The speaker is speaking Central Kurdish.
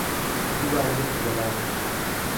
دووبارە بەفر دەبارێت.